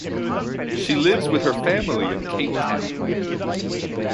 She lives with her family in Cape Town.